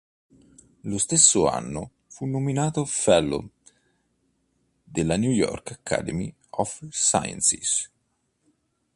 Lo stesso anno fu nominato fellow della New York Academy of Sciences.